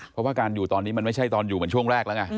เพราะว่าการอยู่ตอนนี้มันไม่ใช่ตอนอยู่เหมือนช่วงแรกแล้วไง